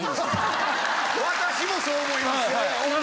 私もそう思います。